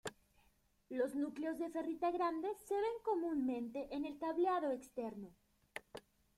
Los núcleos de ferrita grandes se ven comúnmente en el cableado externo.